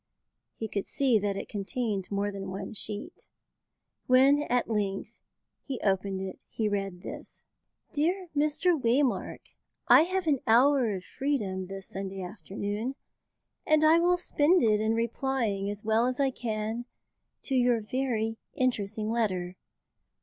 He could see that it contained more than one sheet. When at length he opened it, he read this: "DEAR MR. WAYMARK, I have an hour of freedom this Sunday afternoon, and I will spend it in replying as well as I can to your very interesting letter.